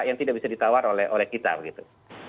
yang tidak bisa ditawar oleh kita begitu